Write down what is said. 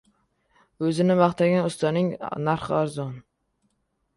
• O‘zini maqtagan ustaning narxi arzon.